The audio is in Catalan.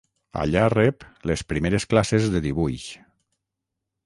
Allà rep les primeres classes de dibuix.